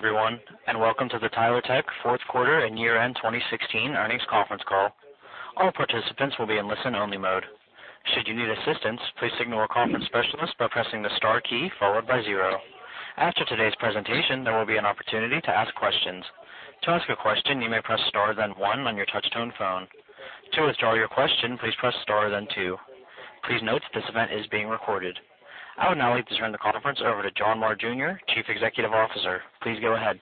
Good day, everyone, and welcome to the Tyler Tech fourth quarter and year-end 2016 earnings conference call. All participants will be in listen-only mode. Should you need assistance, please signal a conference specialist by pressing the star key followed by zero. After today's presentation, there will be an opportunity to ask questions. To ask a question, you may press star then one on your touch-tone phone. To withdraw your question, please press star, then two. Please note that this event is being recorded. I would now like to turn the conference over to John Marr Jr., Chief Executive Officer. Please go ahead.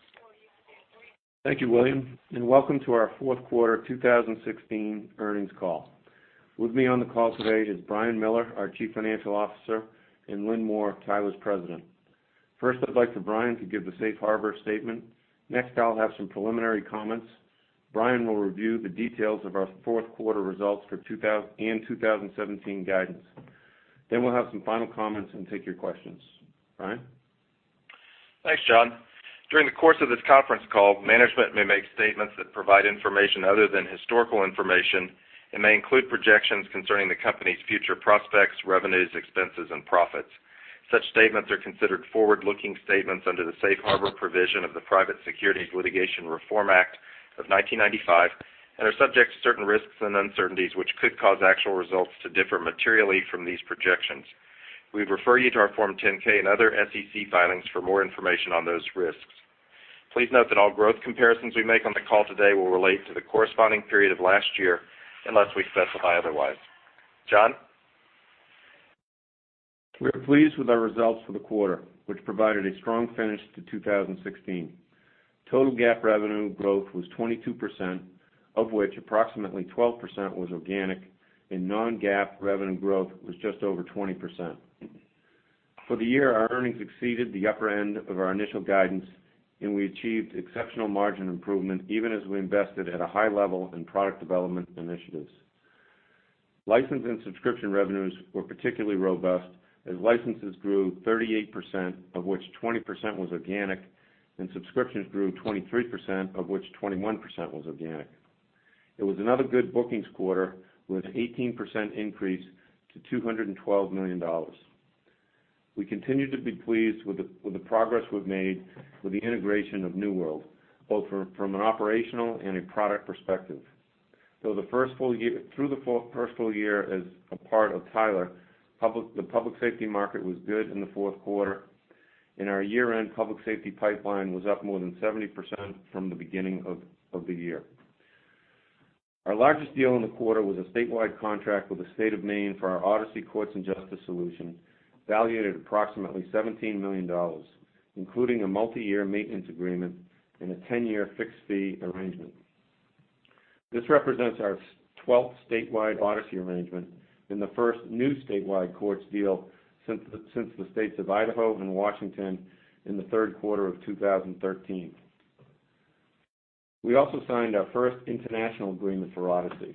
Thank you, William, and welcome to our fourth quarter 2016 earnings call. With me on the call today is Brian Miller, our Chief Financial Officer, and Lynn Moore, Tyler's President. First, I'd like for Brian to give the safe harbor statement. I'll have some preliminary comments. Brian will review the details of our fourth quarter results and 2017 guidance. We'll have some final comments and take your questions. Brian? Thanks, John. During the course of this conference call, management may make statements that provide information other than historical information and may include projections concerning the company's future prospects, revenues, expenses, and profits. Such statements are considered forward-looking statements under the safe harbor provision of the Private Securities Litigation Reform Act of 1995 and are subject to certain risks and uncertainties which could cause actual results to differ materially from these projections. We refer you to our Form 10-K and other SEC filings for more information on those risks. Please note that all growth comparisons we make on the call today will relate to the corresponding period of last year unless we specify otherwise. John? We are pleased with our results for the quarter, which provided a strong finish to 2016. Total GAAP revenue growth was 22%, of which approximately 12% was organic, and non-GAAP revenue growth was just over 20%. For the year, our earnings exceeded the upper end of our initial guidance, and we achieved exceptional margin improvement even as we invested at a high level in product development initiatives. License and subscription revenues were particularly robust as licenses grew 38%, of which 20% was organic, and subscriptions grew 23%, of which 21% was organic. It was another good bookings quarter with 18% increase to $212 million. We continue to be pleased with the progress we've made with the integration of New World, both from an operational and a product perspective. Through the first full year as a part of Tyler, the public safety market was good in the fourth quarter, and our year-end public safety pipeline was up more than 70% from the beginning of the year. Our largest deal in the quarter was a statewide contract with the state of Maine for our Odyssey Courts and Justice solution, valued at approximately $17 million, including a multi-year maintenance agreement and a 10-year fixed fee arrangement. This represents our 12th statewide Odyssey arrangement and the first new statewide courts deal since the states of Idaho and Washington in the third quarter of 2013. We also signed our first international agreement for Odyssey.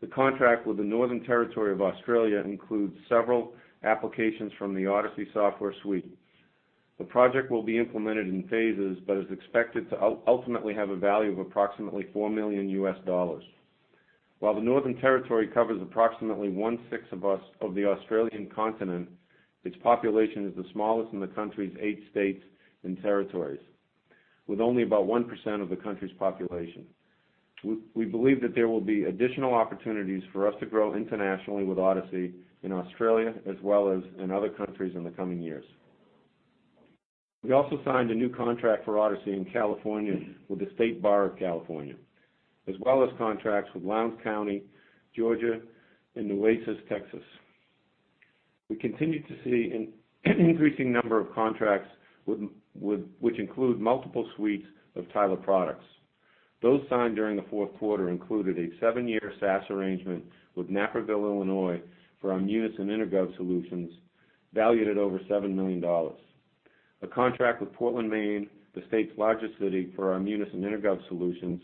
The contract with the Northern Territory of Australia includes several applications from the Odyssey software suite. The project will be implemented in phases but is expected to ultimately have a value of approximately $4 million. While the Northern Territory covers approximately one-sixth of the Australian continent, its population is the smallest in the country's eight states and territories, with only about 1% of the country's population. We believe that there will be additional opportunities for us to grow internationally with Odyssey in Australia as well as in other countries in the coming years. We also signed a new contract for Odyssey in California with the State Bar of California, as well as contracts with Lowndes County, Georgia, and Nueces, Texas. We continue to see an increasing number of contracts which include multiple suites of Tyler products. Those signed during the fourth quarter included a seven-year SaaS arrangement with Naperville, Illinois, for our Munis and EnerGov solutions, valued at over $7 million. A contract with Portland, Maine, the state's largest city, for our Munis and EnerGov solutions,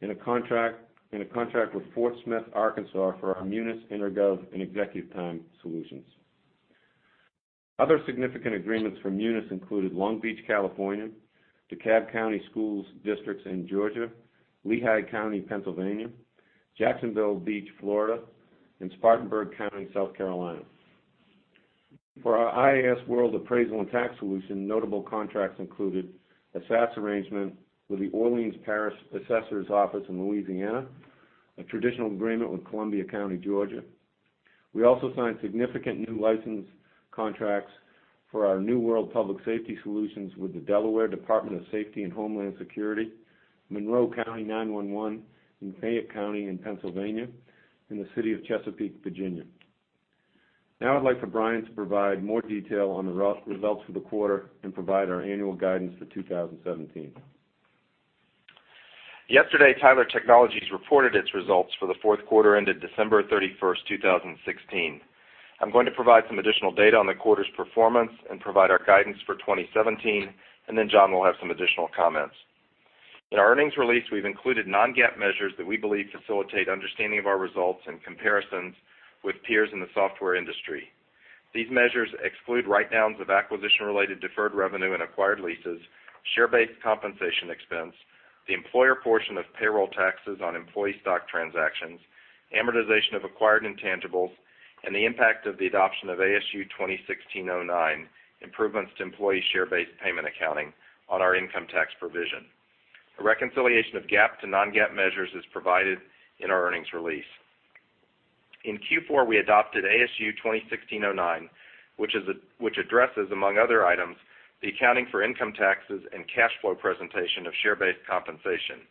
and a contract with Fort Smith, Arkansas, for our Munis, EnerGov, and ExecuTime solutions. Other significant agreements for Munis included Long Beach, California, DeKalb County schools districts in Georgia, Lehigh County, Pennsylvania, Jacksonville Beach, Florida, and Spartanburg County, South Carolina. For our iasWorld appraisal and tax solution, notable contracts included a SaaS arrangement with the Orleans Parish Assessor's Office in Louisiana, a traditional agreement with Columbia County, Georgia. We also signed significant new license contracts for our New World public safety solutions with the Delaware Department of Safety and Homeland Security, Monroe County 911 in Fayette County in Pennsylvania, and the city of Chesapeake, Virginia. Now, I'd like for Brian to provide more detail on the results for the quarter and provide our annual guidance for 2017. Yesterday, Tyler Technologies reported its results for the fourth quarter ended December 31st, 2016. I'm going to provide some additional data on the quarter's performance and provide our guidance for 2017, and then John will have some additional comments. In our earnings release, we've included non-GAAP measures that we believe facilitate understanding of our results and comparisons with peers in the software industry. These measures exclude write-downs of acquisition-related deferred revenue and acquired leases, share-based compensation expense, the employer portion of payroll taxes on employee stock transactions, amortization of acquired intangibles. The impact of the adoption of ASU 2016-09, improvements to employee share-based payment accounting on our income tax provision. A reconciliation of GAAP to non-GAAP measures is provided in our earnings release. In Q4, we adopted ASU 2016-09, which addresses, among other items, the accounting for income taxes and cash flow presentation of share-based compensation.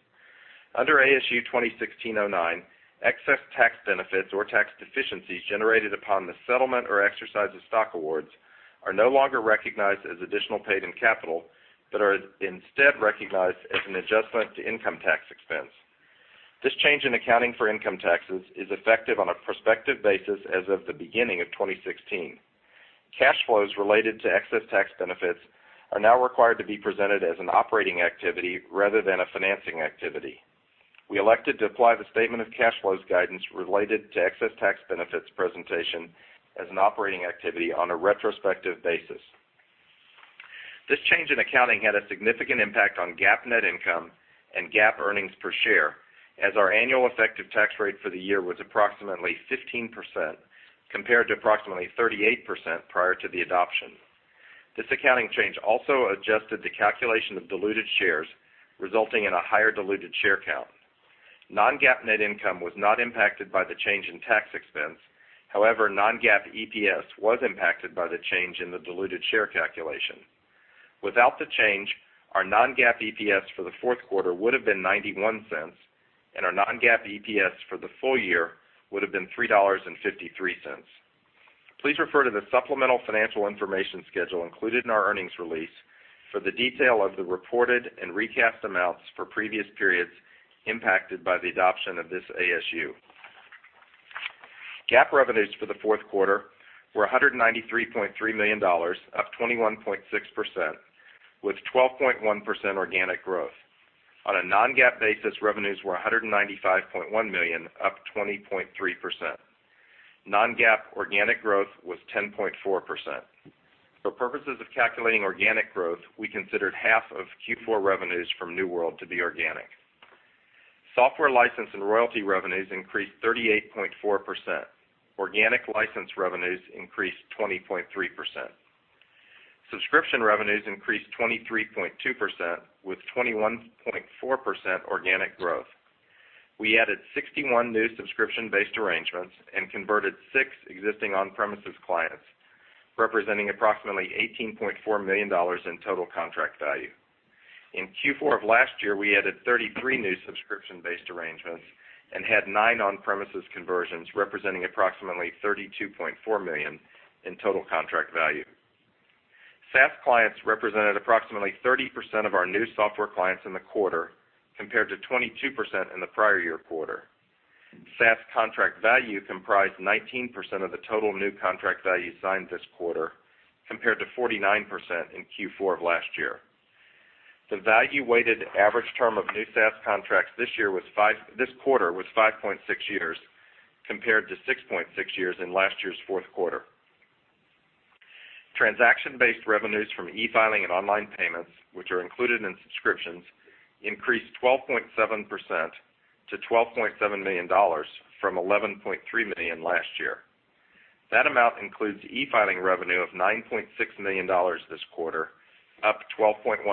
Under ASU 2016-09, excess tax benefits or tax deficiencies generated upon the settlement or exercise of stock awards are no longer recognized as additional paid-in capital, but are instead recognized as an adjustment to income tax expense. This change in accounting for income taxes is effective on a prospective basis as of the beginning of 2016. Cash flows related to excess tax benefits are now required to be presented as an operating activity rather than a financing activity. We elected to apply the statement of cash flows guidance related to excess tax benefits presentation as an operating activity on a retrospective basis. This change in accounting had a significant impact on GAAP net income and GAAP earnings per share, as our annual effective tax rate for the year was approximately 15%, compared to approximately 38% prior to the adoption. This accounting change also adjusted the calculation of diluted shares, resulting in a higher diluted share count. Non-GAAP net income was not impacted by the change in tax expense. However, non-GAAP EPS was impacted by the change in the diluted share calculation. Without the change, our non-GAAP EPS for the fourth quarter would have been $0.91, and our non-GAAP EPS for the full year would have been $3.53. Please refer to the supplemental financial information schedule included in our earnings release for the detail of the reported and recast amounts for previous periods impacted by the adoption of this ASU. GAAP revenues for the fourth quarter were $193.3 million, up 21.6%, with 12.1% organic growth. On a non-GAAP basis, revenues were $195.1 million, up 20.3%. Non-GAAP organic growth was 10.4%. For purposes of calculating organic growth, we considered half of Q4 revenues from New World to be organic. Software license and royalty revenues increased 38.4%. Organic license revenues increased 20.3%. Subscription revenues increased 23.2%, with 21.4% organic growth. We added 61 new subscription-based arrangements and converted 6 existing on-premises clients, representing approximately $18.4 million in total contract value. In Q4 of last year, we added 33 new subscription-based arrangements and had 9 on-premises conversions, representing approximately $32.4 million in total contract value. SaaS clients represented approximately 30% of our new software clients in the quarter, compared to 22% in the prior year quarter. SaaS contract value comprised 19% of the total new contract value signed this quarter, compared to 49% in Q4 of last year. The value-weighted average term of new SaaS contracts this quarter was 5.6 years, compared to 6.6 years in last year's fourth quarter. Transaction-based revenues from e-filing and online payments, which are included in subscriptions, increased 12.7% to $12.7 million from $11.3 million last year. That amount includes e-filing revenue of $9.6 million this quarter, up 12.1%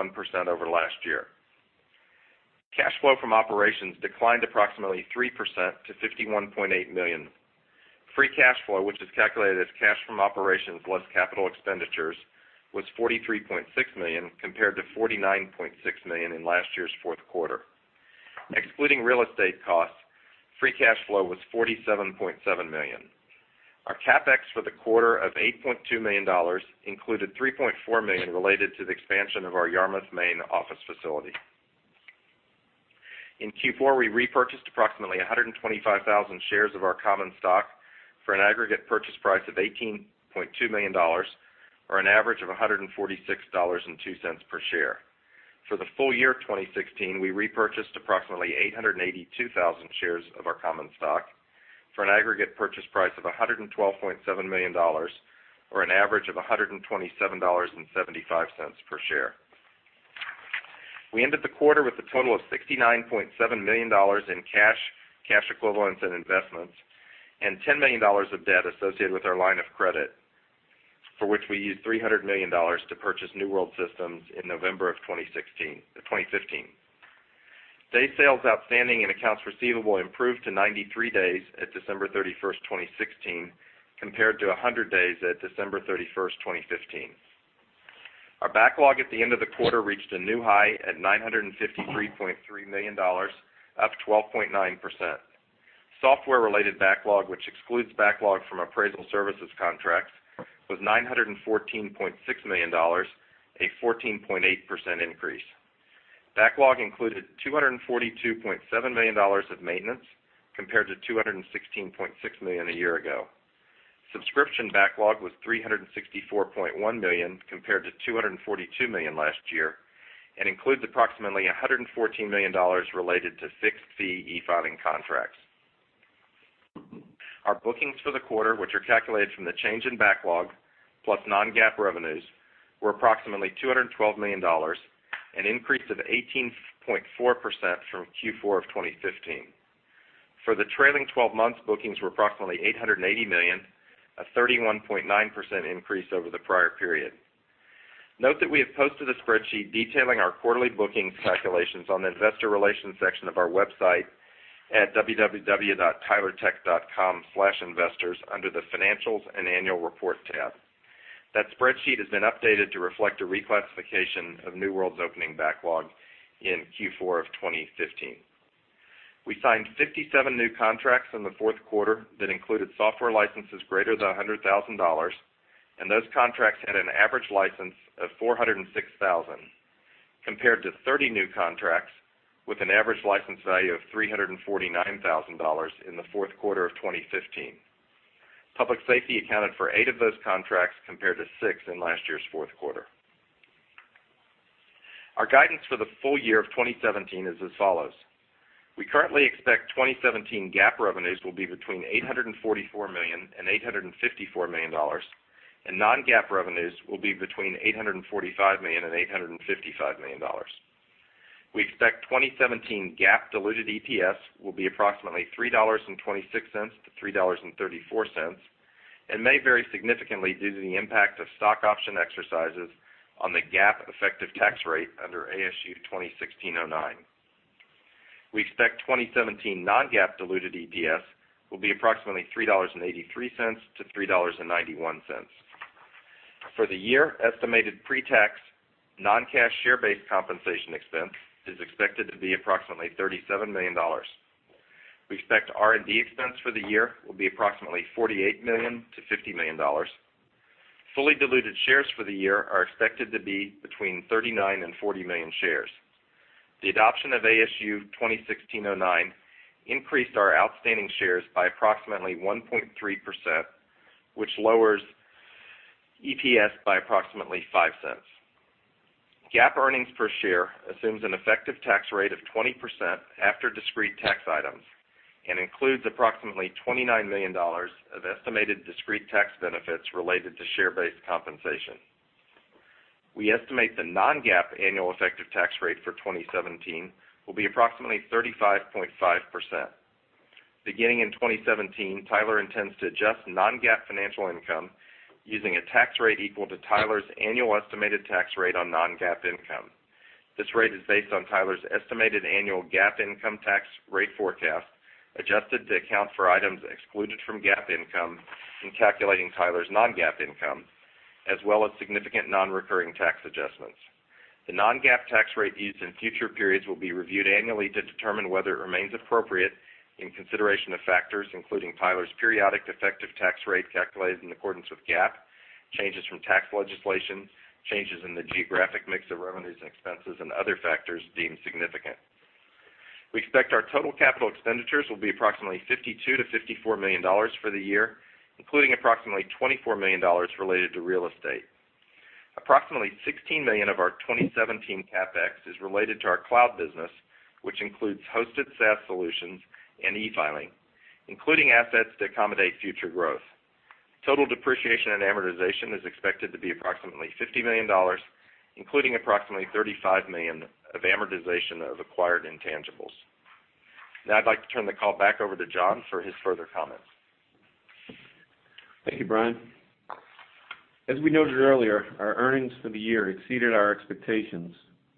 over last year. Cash flow from operations declined approximately 3% to $51.8 million. Free cash flow, which is calculated as cash from operations less capital expenditures, was $43.6 million, compared to $49.6 million in last year's fourth quarter. Excluding real estate costs, free cash flow was $47.7 million. Our CapEx for the quarter of $8.2 million included $3.4 million related to the expansion of our Yarmouth, Maine office facility. In Q4, we repurchased approximately 125,000 shares of our common stock for an aggregate purchase price of $18.2 million, or an average of $146.02 per share. For the full year of 2016, we repurchased approximately 882,000 shares of our common stock for an aggregate purchase price of $112.7 million, or an average of $127.75 per share. We ended the quarter with a total of $69.7 million in cash equivalents, and investments, and $10 million of debt associated with our line of credit, for which we used $300 million to purchase New World Systems in November of 2015. Day sales outstanding and accounts receivable improved to 93 days at December 31st, 2016, compared to 100 days at December 31st, 2015. Our backlog at the end of the quarter reached a new high at $953.3 million, up 12.9%. Software-related backlog, which excludes backlog from appraisal services contracts, was $914.6 million, a 14.8% increase. Backlog included $242.7 million of maintenance, compared to $216.6 million a year ago. Subscription backlog was $364.1 million, compared to $242 million last year, and includes approximately $114 million related to fixed fee e-filing contracts. Our bookings for the quarter, which are calculated from the change in backlog plus non-GAAP revenues were approximately $212 million, an increase of 18.4% from Q4 of 2015. For the trailing 12 months, bookings were approximately $880 million, a 31.9% increase over the prior period. Note that we have posted a spreadsheet detailing our quarterly bookings calculations on the investor relations section of our website at www.tylertech.com/investors under the Financials and Annual Report tab. That spreadsheet has been updated to reflect a reclassification of New World's opening backlog in Q4 of 2015. We signed 57 new contracts in the fourth quarter that included software licenses greater than $100,000, and those contracts had an average license of $406,000, compared to 30 new contracts with an average license value of $349,000 in the fourth quarter of 2015. Public safety accounted for eight of those contracts, compared to six in last year's fourth quarter. Our guidance for the full year of 2017 is as follows. We currently expect 2017 GAAP revenues will be between $844 million-$854 million, and non-GAAP revenues will be between $845 million-$855 million. We expect 2017 GAAP diluted EPS will be approximately $3.26-$3.34, and may vary significantly due to the impact of stock option exercises on the GAAP effective tax rate under ASU 2016-09. We expect 2017 non-GAAP diluted EPS will be approximately $3.83-$3.91. For the year, estimated pre-tax non-cash share-based compensation expense is expected to be approximately $37 million. We expect R&D expense for the year will be approximately $48 million-$50 million. Fully diluted shares for the year are expected to be between 39 million-40 million shares. The adoption of ASU 2016-09 increased our outstanding shares by approximately 1.3%, which lowers EPS by approximately $0.05. GAAP earnings per share assumes an effective tax rate of 20% after discrete tax items and includes approximately $29 million of estimated discrete tax benefits related to share-based compensation. We estimate the non-GAAP annual effective tax rate for 2017 will be approximately 35.5%. Beginning in 2017, Tyler intends to adjust non-GAAP financial income using a tax rate equal to Tyler's annual estimated tax rate on non-GAAP income. This rate is based on Tyler's estimated annual GAAP income tax rate forecast, adjusted to account for items excluded from GAAP income in calculating Tyler's non-GAAP income, as well as significant non-recurring tax adjustments. The non-GAAP tax rate used in future periods will be reviewed annually to determine whether it remains appropriate in consideration of factors including Tyler's periodic effective tax rate calculated in accordance with GAAP, changes from tax legislation, changes in the geographic mix of revenues and expenses, and other factors deemed significant. We expect our total capital expenditures will be approximately $52 million-$54 million for the year, including approximately $24 million related to real estate. Approximately $16 million of our 2017 CapEx is related to our cloud business, which includes hosted SaaS solutions and e-filing, including assets to accommodate future growth. Total depreciation and amortization is expected to be approximately $50 million, including approximately $35 million of amortization of acquired intangibles. I'd like to turn the call back over to John for his further comments. Thank you, Brian. As we noted earlier, our earnings for the year exceeded our expectations,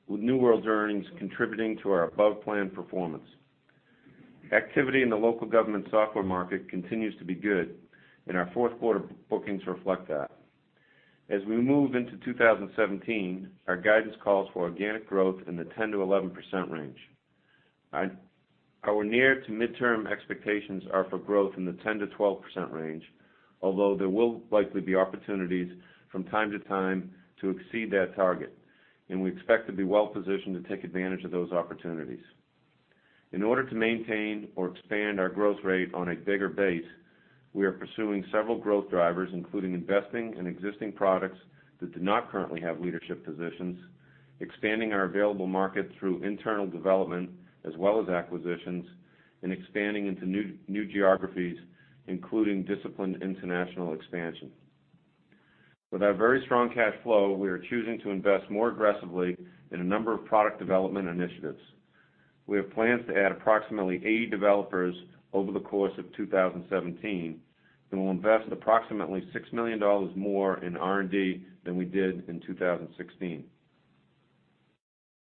with New World's earnings contributing to our above-plan performance. Activity in the local government software market continues to be good. Our fourth quarter bookings reflect that. As we move into 2017, our guidance calls for organic growth in the 10%-11% range. Our near to midterm expectations are for growth in the 10%-12% range, although there will likely be opportunities from time to time to exceed that target. We expect to be well-positioned to take advantage of those opportunities. In order to maintain or expand our growth rate on a bigger base, we are pursuing several growth drivers, including investing in existing products that do not currently have leadership positions, expanding our available market through internal development as well as acquisitions, expanding into new geographies, including disciplined international expansion. With our very strong cash flow, we are choosing to invest more aggressively in a number of product development initiatives. We have plans to add approximately 80 developers over the course of 2017. We'll invest approximately $6 million more in R&D than we did in 2016.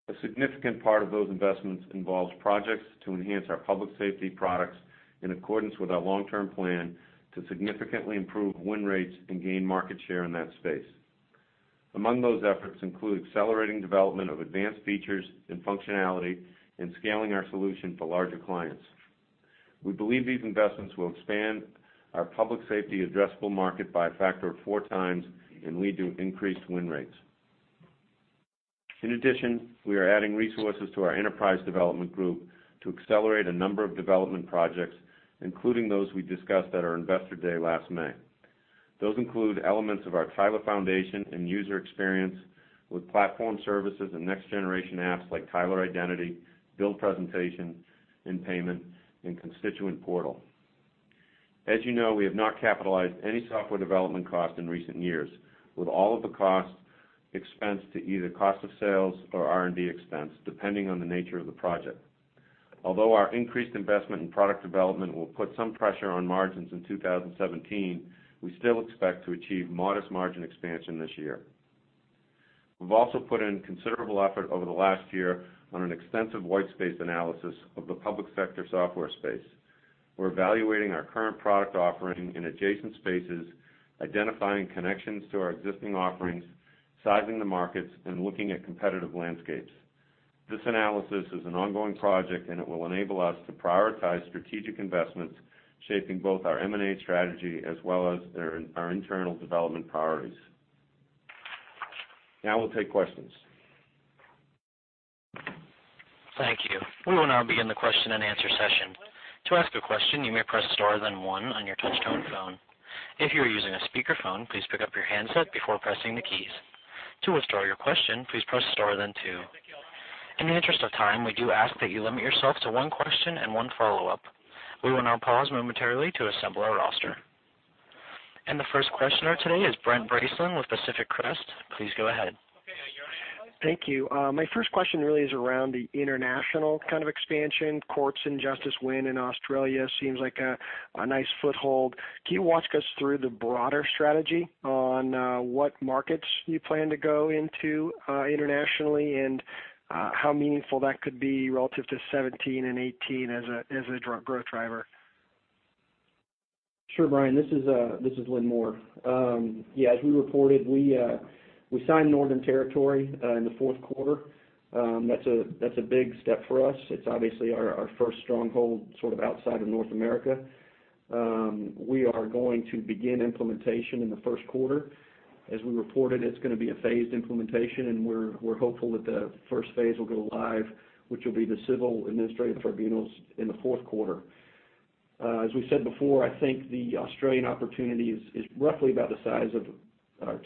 A significant part of those investments involves projects to enhance our public safety products in accordance with our long-term plan to significantly improve win rates and gain market share in that space. Among those efforts include accelerating development of advanced features and functionality and scaling our solution for larger clients. We believe these investments will expand our public safety addressable market by a factor of four times and lead to increased win rates. In addition, we are adding resources to our enterprise development group to accelerate a number of development projects, including those we discussed at our Investor Day last May. Those include elements of our Tyler Foundation and user experience with platform services and next-generation apps like Tyler Identity, Bill Presentation and Payment, and Constituent Portal. As you know, we have not capitalized any software development cost in recent years, with all of the costs expensed to either cost of sales or R&D expense, depending on the nature of the project. Although our increased investment in product development will put some pressure on margins in 2017, we still expect to achieve modest margin expansion this year. We've also put in considerable effort over the last year on an extensive white space analysis of the public sector software space. We're evaluating our current product offering in adjacent spaces, identifying connections to our existing offerings, sizing the markets, and looking at competitive landscapes. This analysis is an ongoing project. It will enable us to prioritize strategic investments, shaping both our M&A strategy, as well as our internal development priorities. Now we'll take questions. Thank you. We will now begin the question and answer session. To ask a question, you may press star, then one on your touch-tone phone. If you are using a speakerphone, please pick up your handset before pressing the keys. To withdraw your question, please press star, then two. In the interest of time, we do ask that you limit yourself to one question and one follow-up. We will now pause momentarily to assemble our roster. The first questioner today is Brent Bracelin with Pacific Crest. Please go ahead. Okay, you're on air. Thank you. My first question really is around the international kind of expansion, Odyssey win in Australia seems like a nice foothold. Can you walk us through the broader strategy on what markets you plan to go into internationally, and how meaningful that could be relative to 2017 and 2018 as a growth driver? Sure, Brian, this is Lynn Moore. Yeah. As we reported, we signed Northern Territory in the fourth quarter. That's a big step for us. It's obviously our first stronghold sort of outside of North America. We are going to begin implementation in the 1st quarter. As we reported, it's going to be a phased implementation, and we're hopeful that the phase 1 will go live, which will be the civil administrative tribunals in the fourth quarter. As we said before, I think the Australian opportunity is roughly about the size of our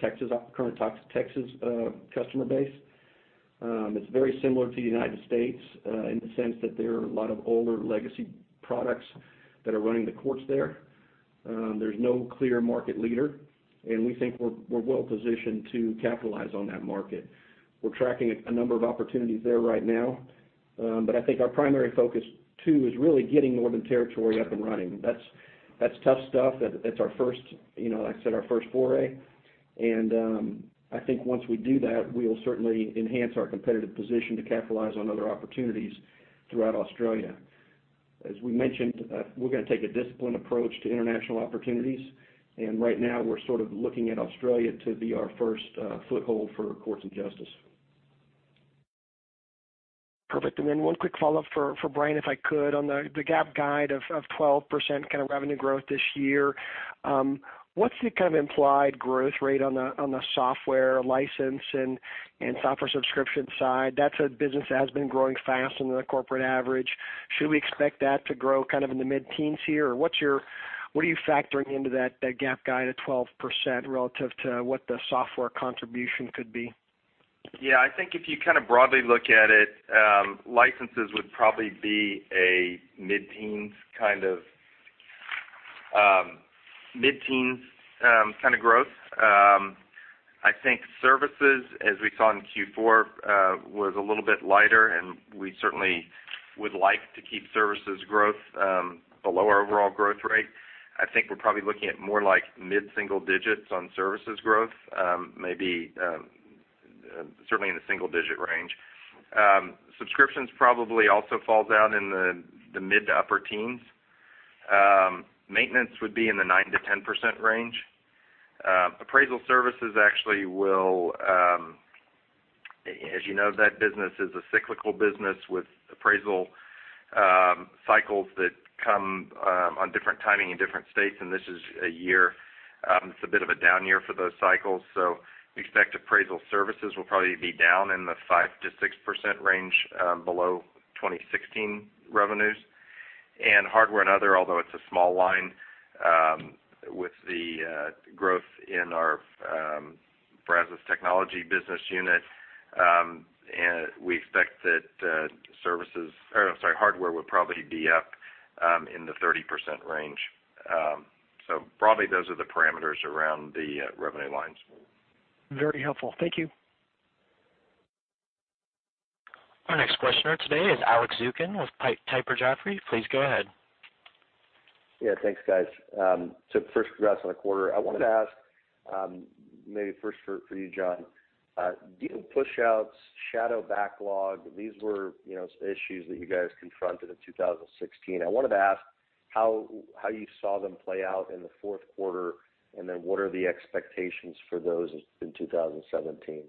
current Texas customer base. It's very similar to the United States, in the sense that there are a lot of older legacy products that are running the courts there. There's no clear market leader. We think we're well positioned to capitalize on that market. We're tracking a number of opportunities there right now. I think our primary focus, too, is really getting Northern Territory up and running. That's tough stuff. That's our first, like I said, our first foray. I think once we do that, we will certainly enhance our competitive position to capitalize on other opportunities throughout Australia. As we mentioned, we're going to take a disciplined approach to international opportunities. Right now, we're sort of looking at Australia to be our first foothold for Odyssey. Perfect. Then one quick follow-up for Brian, if I could, on the GAAP guide of 12% kind of revenue growth this year. What's the kind of implied growth rate on the software license and software subscription side? That's a business that has been growing faster than the corporate average. Should we expect that to grow kind of in the mid-teens here, or what are you factoring into that GAAP guide of 12% relative to what the software contribution could be? Yeah, I think if you kind of broadly look at it, licenses would probably be a mid-teens kind of growth. I think services, as we saw in Q4, was a little bit lighter, and we certainly would like to keep services growth below our overall growth rate. I think we're probably looking at more like mid-single digits on services growth, maybe certainly in the single-digit range. Subscriptions probably also fall down in the mid to upper teens. Maintenance would be in the 9%-10% range. Appraisal services actually. As you know, that business is a cyclical business with appraisal cycles that come on different timing in different states. It's a bit of a down year for those cycles. We expect appraisal services will probably be down in the 5%-6% range below 2016 revenues. Hardware and other, although it's a small line, with the growth in our Brazos Technology business unit, we expect that hardware would probably be up in the 30% range. Broadly, those are the parameters around the revenue lines. Very helpful. Thank you. Our next questioner today is Alex Zukin with Piper Jaffray. Please go ahead. Yeah, thanks, guys. First, congrats on the quarter. I wanted to ask, maybe first for you, John, deal pushouts, shadow backlog, these were issues that you guys confronted in 2016. I wanted to ask how you saw them play out in the fourth quarter, what are the expectations for those in 2017?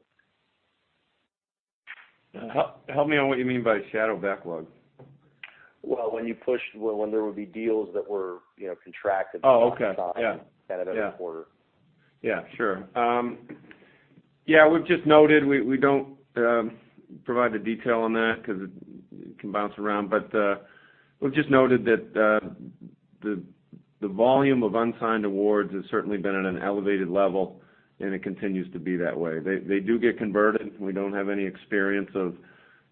Help me on what you mean by shadow backlog. Well, when there would be deals that were contracted- Oh, okay. Yeah at the end of the quarter. Sure. We've just noted. We don't provide the detail on that because it can bounce around, but we've just noted that the volume of unsigned awards has certainly been at an elevated level, and it continues to be that way. They do get converted. We don't have any experience of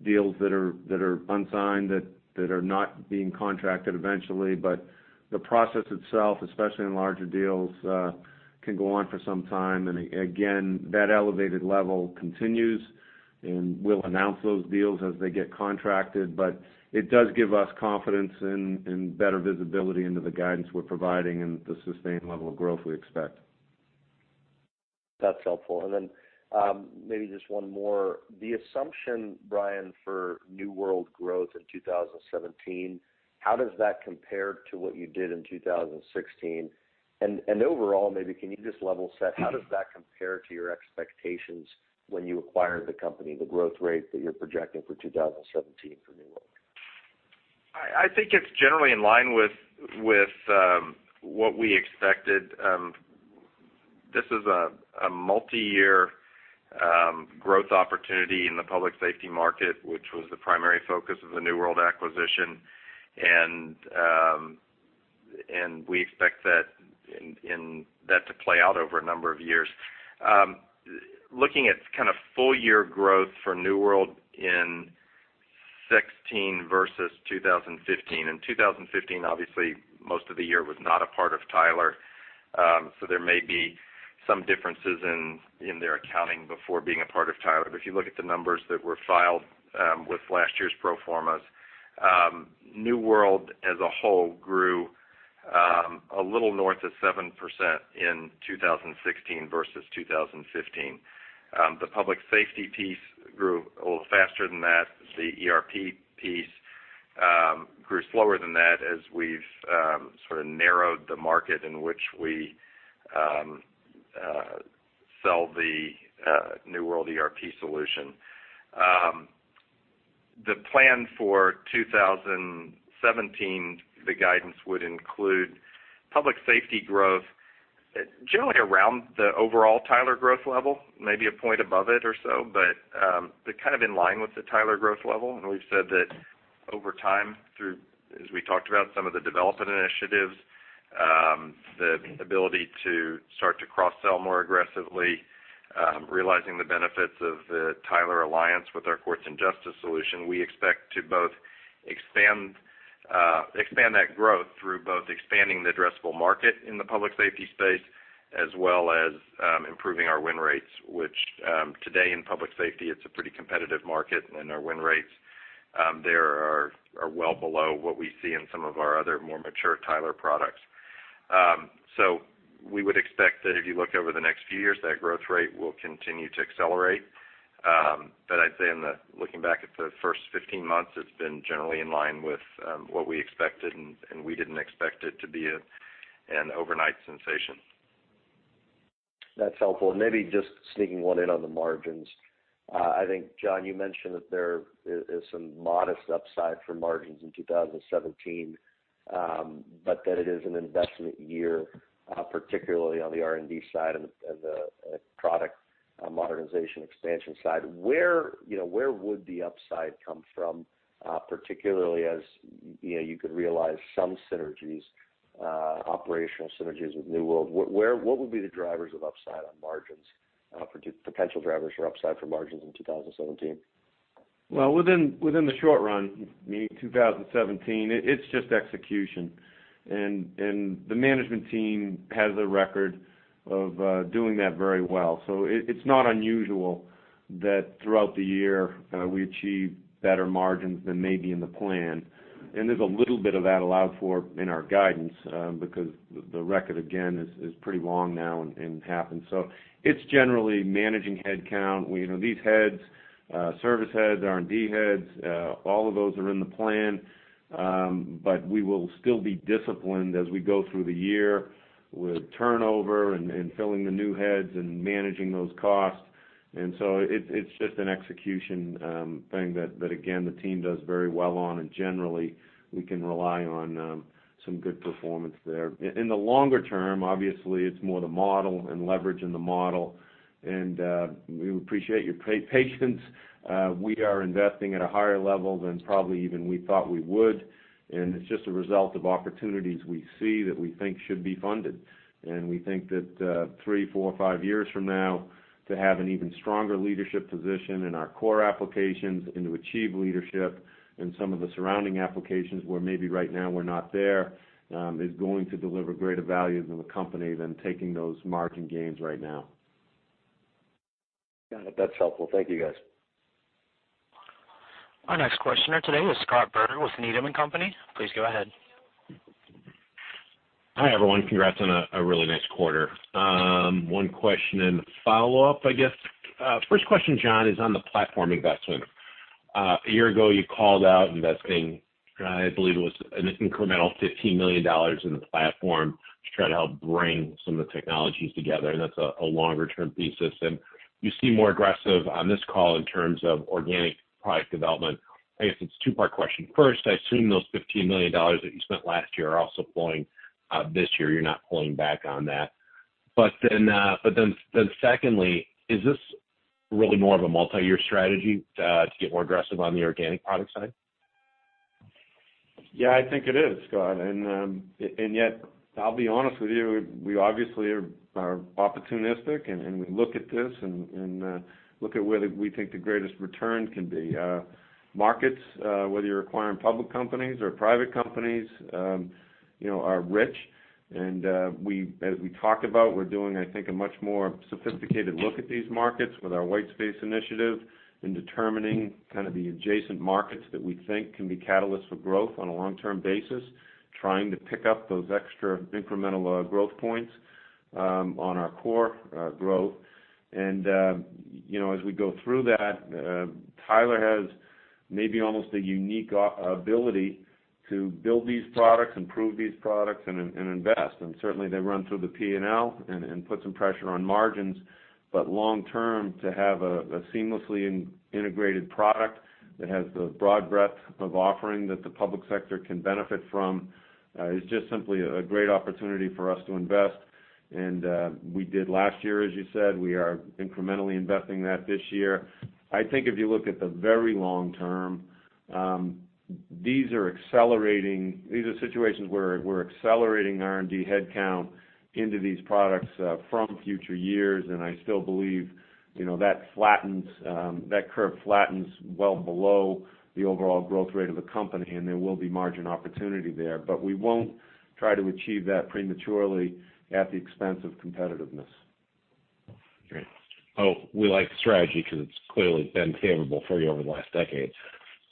deals that are unsigned, that are not being contracted eventually, but the process itself, especially in larger deals, can go on for some time. Again, that elevated level continues, and we'll announce those deals as they get contracted. It does give us confidence in better visibility into the guidance we're providing and the sustained level of growth we expect. That's helpful. Then, maybe just one more. The assumption, Brian, for New World growth in 2017, how does that compare to what you did in 2016? Overall, maybe can you just level set, how does that compare to your expectations when you acquired the company, the growth rate that you're projecting for 2017 for New World? I think it's generally in line with what we expected. This is a multi-year growth opportunity in the public safety market, which was the primary focus of the New World acquisition. We expect that to play out over a number of years. Looking at full year growth for New World in 2016 versus 2015. In 2015, obviously, most of the year was not a part of Tyler. There may be some differences in their accounting before being a part of Tyler. If you look at the numbers that were filed with last year's pro formas, New World as a whole grew, a little north of 7% in 2016 versus 2015. The public safety piece grew a little faster than that. The ERP piece grew slower than that, as we've sort of narrowed the market in which we sell the New World ERP solution. The plan for 2017, the guidance would include public safety growth, generally around the overall Tyler growth level, maybe a point above it or so. They're kind of in line with the Tyler growth level. We've said that over time through, as we talked about some of the development initiatives, the ability to start to cross-sell more aggressively, realizing the benefits of the Tyler alliance with our courts and justice solution. We expect to both expand that growth through both expanding the addressable market in the public safety space as well as improving our win rates, which, today in public safety, it's a pretty competitive market and our win rates, there are well below what we see in some of our other more mature Tyler products. We would expect that if you look over the next few years, that growth rate will continue to accelerate. I'd say in the looking back at the first 15 months, it's been generally in line with what we expected, and we didn't expect it to be an overnight sensation. That's helpful. Maybe just sneaking one in on the margins. I think, John, you mentioned that there is some modest upside for margins in 2017, but that it is an investment year, particularly on the R&D side and the product modernization expansion side. Where would the upside come from, particularly as you could realize some synergies, operational synergies with New World? What would be the drivers of upside on margins, potential drivers for upside for margins in 2017? Within the short run, meaning 2017, it's just execution, and the management team has a record of doing that very well. It's not unusual that throughout the year, we achieve better margins than maybe in the plan. There's a little bit of that allowed for in our guidance, because the record again, is pretty long now and happened. It's generally managing headcount. These heads, service heads, R&D heads, all of those are in the plan. We will still be disciplined as we go through the year with turnover and filling the new heads and managing those costs. It's just an execution thing that again, the team does very well on and generally we can rely on some good performance there. In the longer term, obviously, it's more the model and leverage in the model. We appreciate your patience. We are investing at a higher level than probably even we thought we would, it's just a result of opportunities we see that we think should be funded. We think that, three, four, five years from now, to have an even stronger leadership position in our core applications and to achieve leadership in some of the surrounding applications where maybe right now we're not there, is going to deliver greater value to the company than taking those margin gains right now. Got it. That's helpful. Thank you, guys. Our next questioner today is Scott Berger with Needham & Company. Please go ahead. Hi, everyone. Congrats on a really nice quarter. One question and follow up, I guess. First question, John, is on the platform investment. A year ago, you called out investing, I believe it was an incremental $15 million in the platform to try to help bring some of the technologies together, that's a longer-term thesis. You seem more aggressive on this call in terms of organic product development. I guess it's a two-part question. First, I assume those $15 million that you spent last year are also flowing this year. You're not pulling back on that. Secondly, is this really more of a multi-year strategy to get more aggressive on the organic product side? Yeah, I think it is, Scott. Yet, I'll be honest with you, we obviously are opportunistic, and we look at this and look at where we think the greatest return can be. Markets, whether you're acquiring public companies or private companies are rich. As we talked about, we're doing, I think, a much more sophisticated look at these markets with our Whitespace initiative in determining kind of the adjacent markets that we think can be catalysts for growth on a long-term basis, trying to pick up those extra incremental growth points on our core growth. As we go through that, Tyler has maybe almost a unique ability to build these products, improve these products, and invest. Certainly, they run through the P&L and put some pressure on margins. Long term, to have a seamlessly integrated product that has the broad breadth of offering that the public sector can benefit from is just simply a great opportunity for us to invest. We did last year, as you said. We are incrementally investing that this year. I think if you look at the very long term, these are situations where we're accelerating R&D headcount into these products from future years. I still believe that curve flattens well below the overall growth rate of the company, and there will be margin opportunity there. We won't try to achieve that prematurely at the expense of competitiveness. Great. Well, we like the strategy because it's clearly been favorable for you over the last decade.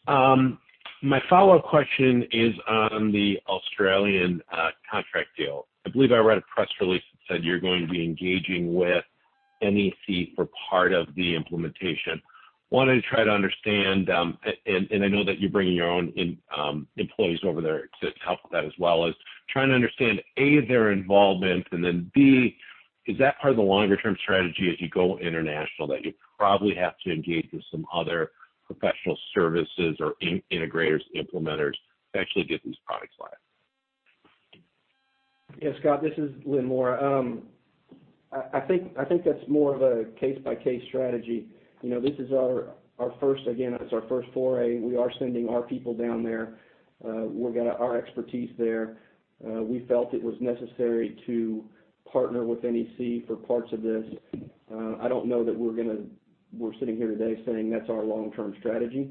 My follow-up question is on the Australian contract deal. I believe I read a press release that said you're going to be engaging with NEC for part of the implementation. Wanted to try to understand, and I know that you're bringing your own employees over there to help with that, as well as trying to understand, A, their involvement, and then, B, is that part of the longer-term strategy as you go international, that you probably have to engage with some other professional services or integrators, implementers to actually get these products live? Yeah, Scott, this is Lynn Moore. I think that's more of a case-by-case strategy. This is our first foray. We are sending our people down there. We've got our expertise there. We felt it was necessary to partner with NEC for parts of this. I don't know that we're sitting here today saying that's our long-term strategy.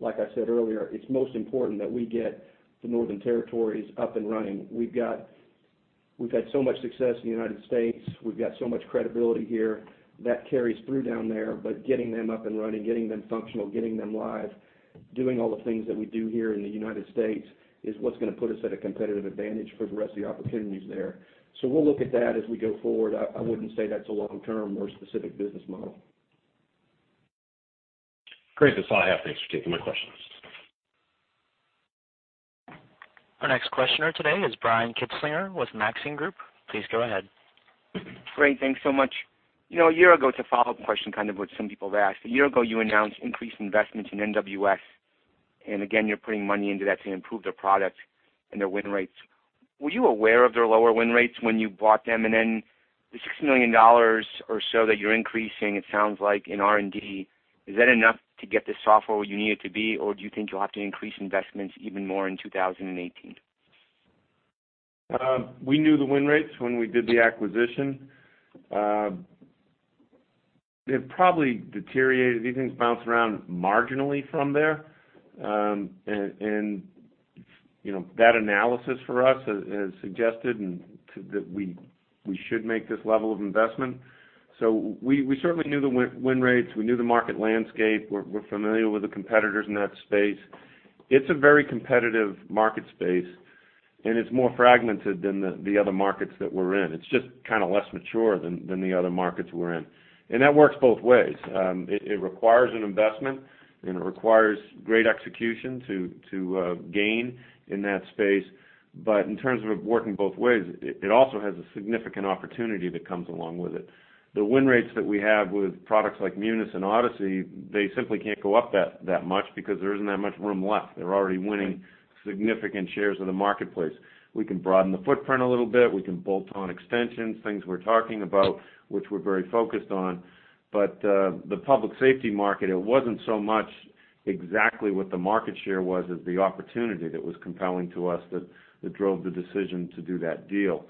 Like I said earlier, it's most important that we get the Northern Territory up and running. We've had so much success in the United States. We've got so much credibility here. That carries through down there, but getting them up and running, getting them functional, getting them live, doing all the things that we do here in the United States, is what's going to put us at a competitive advantage for the rest of the opportunities there. We'll look at that as we go forward. I wouldn't say that's a long-term or specific business model. Great. That's all I have. Thanks for taking my questions. Our next questioner today is Brian Kinstlinger with Maxim Group. Please go ahead. Great. Thanks so much. To follow up question kind of what some people have asked. A year ago, you announced increased investments in NWS, and again, you're putting money into that to improve their products and their win rates. Were you aware of their lower win rates when you bought them? And then the $6 million or so that you're increasing, it sounds like, in R&D, is that enough to get the software where you need it to be, or do you think you'll have to increase investments even more in 2018? We knew the win rates when we did the acquisition. They've probably deteriorated. These things bounce around marginally from there. That analysis for us has suggested that we should make this level of investment. We certainly knew the win rates. We knew the market landscape. We're familiar with the competitors in that space. It's a very competitive market space, and it's more fragmented than the other markets that we're in. It's just kind of less mature than the other markets we're in. That works both ways. It requires an investment, and it requires great execution to gain in that space. In terms of it working both ways, it also has a significant opportunity that comes along with it. The win rates that we have with products like Munis and Odyssey, they simply can't go up that much because there isn't that much room left. They're already winning significant shares of the marketplace. We can broaden the footprint a little bit. We can bolt on extensions, things we're talking about, which we're very focused on. The public safety market, it wasn't so much exactly what the market share was as the opportunity that was compelling to us that drove the decision to do that deal.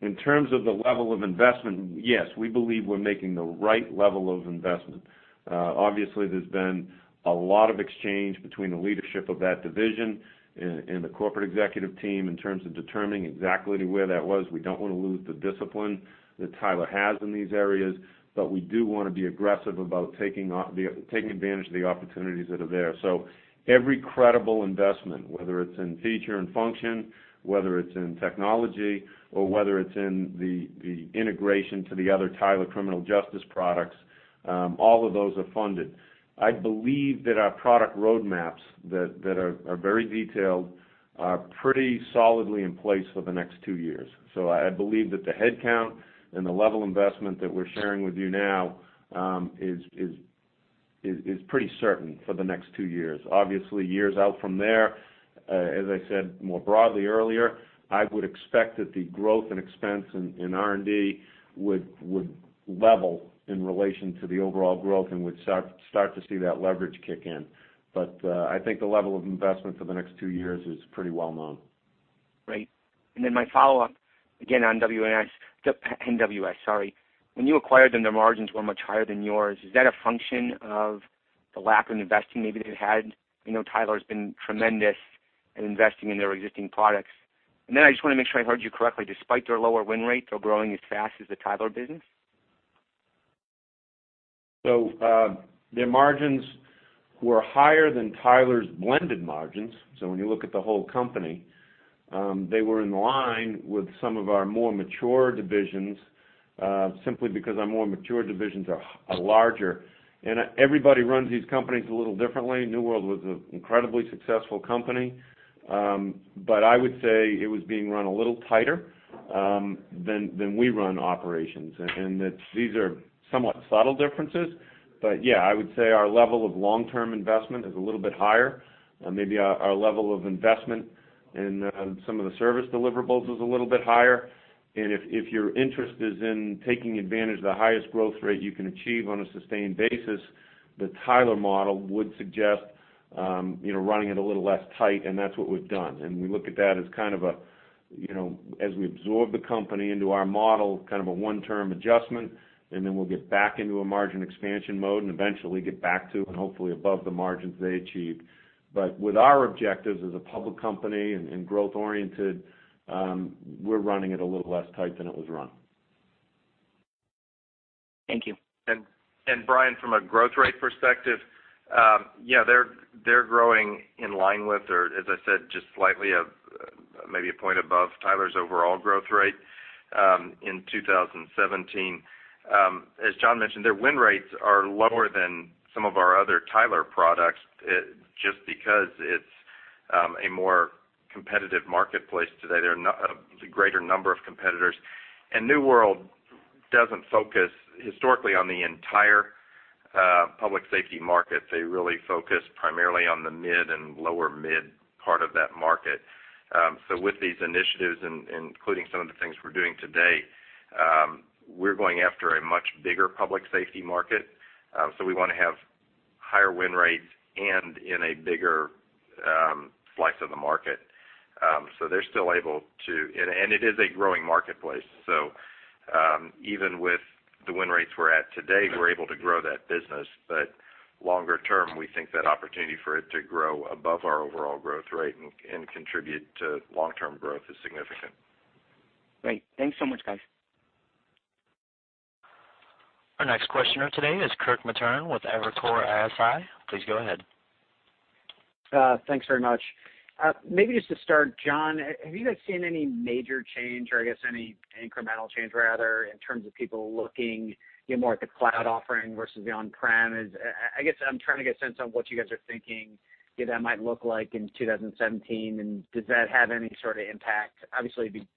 In terms of the level of investment, yes, we believe we're making the right level of investment. Obviously, there's been a lot of exchange between the leadership of that division and the corporate executive team in terms of determining exactly where that was. We don't want to lose the discipline that Tyler has in these areas, but we do want to be aggressive about taking advantage of the opportunities that are there. Every credible investment, whether it's in feature and function, whether it's in technology, or whether it's in the integration to the other Tyler criminal justice products, all of those are funded. I believe that our product roadmaps that are very detailed are pretty solidly in place for the next two years. I believe that the headcount and the level of investment that we're sharing with you now is pretty certain for the next two years. Obviously, years out from there, as I said more broadly earlier, I would expect that the growth and expense in R&D would level in relation to the overall growth and would start to see that leverage kick in. I think the level of investment for the next two years is pretty well-known. Great. My follow-up, again, on NWS, sorry. When you acquired them, their margins were much higher than yours. Is that a function of the lack of investing maybe they've had? Tyler's been tremendous at investing in their existing products. I just want to make sure I heard you correctly, despite their lower win rates, they're growing as fast as the Tyler business? Their margins were higher than Tyler's blended margins. When you look at the whole company, they were in line with some of our more mature divisions, simply because our more mature divisions are larger. Everybody runs these companies a little differently. New World was an incredibly successful company. I would say it was being run a little tighter than we run operations, and that these are somewhat subtle differences. Yeah, I would say our level of long-term investment is a little bit higher. Maybe our level of investment in some of the service deliverables is a little bit higher. If your interest is in taking advantage of the highest growth rate you can achieve on a sustained basis, the Tyler model would suggest running it a little less tight, and that's what we've done. We look at that as we absorb the company into our model, kind of a one-term adjustment, we'll get back into a margin expansion mode and eventually get back to and hopefully above the margins they achieved. With our objectives as a public company and growth-oriented, we're running it a little less tight than it was run. Thank you. Brian, from a growth rate perspective, yeah, they're growing in line with, or as I said, just slightly, maybe a point above Tyler's overall growth rate in 2017. As John mentioned, their win rates are lower than some of our other Tyler products, just because it's a more competitive marketplace today. There's a greater number of competitors. New World doesn't focus historically on the entire public safety market. They really focus primarily on the mid and lower-mid part of that market. With these initiatives, including some of the things we're doing today, we're going after a much bigger public safety market. We want to have higher win rates and in a bigger slice of the market. They're still able to, and it is a growing marketplace. Even with the win rates we're at today, we're able to grow that business. Longer term, we think that opportunity for it to grow above our overall growth rate and contribute to long-term growth is significant. Great. Thanks so much, guys. Our next questioner today is Kirk Materna with Evercore ISI. Please go ahead. Thanks very much. Maybe just to start, John, have you guys seen any major change or I guess any incremental change rather, in terms of people looking more at the cloud offering versus the on-prem? I guess I'm trying to get a sense on what you guys are thinking that might look like in 2017, and does that have any sort of impact? Obviously, it would be